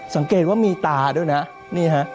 สังเกตว่ามีตาด้วยนะนี่ฮะ